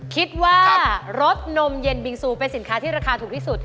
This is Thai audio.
คิดว่ารสนมเย็นบิงซูเป็นสินค้าที่ราคาถูกที่สุด